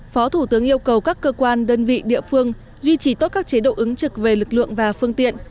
phó thủ tướng yêu cầu các cơ quan đơn vị địa phương duy trì tốt các chế độ ứng trực về lực lượng và phương tiện